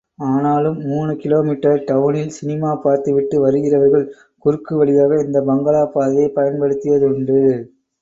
ஆனாலும் மூணு கிலோமீட்டர் டவுனில் சினிமா பார்த்துவிட்டு வருகிறவர்கள், குறுக்கு வழியாக இந்த பங்களாப் பாதையை பயன்படுத்தியதுண்டு.